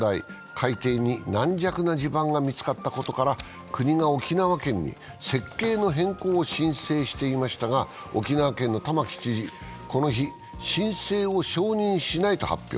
海底に軟弱な地盤が見つかったことから、国が沖縄県に設計の変更を申請していましたが、沖縄県の玉城知事、この日、申請を承認しないと発表。